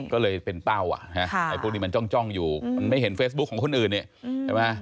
ก็เลยเป็นเป้าไอ้พวกนี้มันจ้องอยู่ไม่เห็นเฟซบุ๊กของคนอื่นเนี่ย